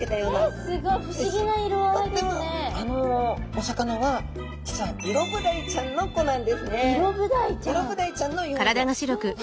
えっすごいあのお魚は実はイロブダイちゃんの子なんですね。